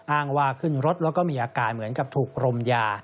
อ้างว่าขึ้นรถแล้วก็มีอาการเหมือนกับถูกรมยา